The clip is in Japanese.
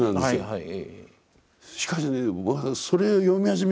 はい。